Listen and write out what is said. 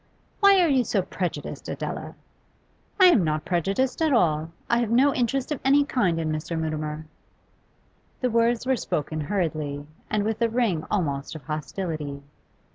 'Why are you so prejudiced, Adela?' 'I am not prejudiced at all. I have no interest of any kind in Mr. Mutimer.' The words were spoken hurriedly and with a ring almost of hostility.